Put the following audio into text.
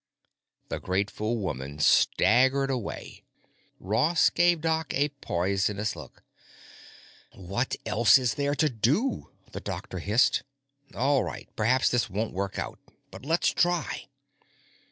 The grateful woman staggered away. Ross gave Doc a poisonous look. "What else is there to do?" the doctor hissed. "All right, perhaps this won't work out—but let's try!"